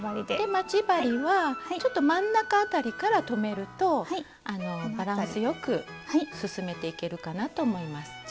で待ち針はちょっと真ん中あたりから留めるとバランスよく進めていけるかなと思います。